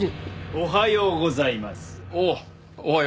おはようございます。